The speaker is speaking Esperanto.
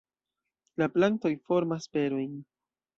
La plantoj formas berojn.